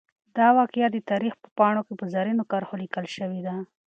دا واقعه د تاریخ په پاڼو کې په زرینو کرښو لیکل شوې ده.